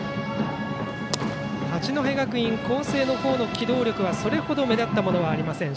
八戸学院光星の方の機動力はそれほど目立ったものはありません。